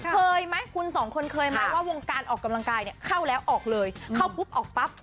เคยไหมคุณสองคนเคยไหมว่าวงการออกกำลังกายเนี่ยเข้าแล้วออกเลยเข้าปุ๊บออกปั๊บ